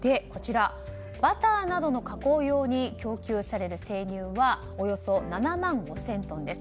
バターなどの加工用に供給される生乳はおよそ７万５０００トンです。